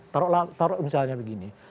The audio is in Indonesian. taruhlah misalnya begini